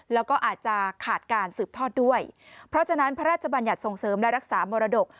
แล้วก็อาจจะขาดการสืบทอดด้วยเพราะฉะนั้นพระราชบัญญัติส่งเสริมและรักษามรดก